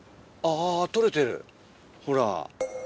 あ取れてるほら。